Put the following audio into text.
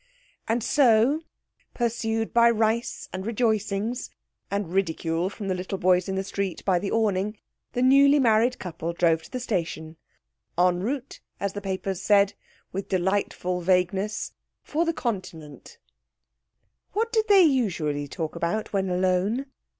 And so, pursued by rice and rejoicings and ridicule from the little boys in the street by the awning the newly married couple drove to the station, 'en route,' as the papers said, with delightful vagueness, 'for the Continent.' What did they usually talk about when alone?